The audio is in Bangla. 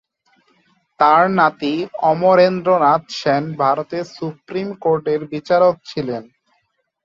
তার নাতি অমরেন্দ্র নাথ সেন ভারতের সুপ্রিম কোর্টের বিচারক ছিলেন।